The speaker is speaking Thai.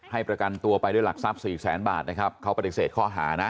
ประกันตัวไปด้วยหลักทรัพย์สี่แสนบาทนะครับเขาปฏิเสธข้อหานะ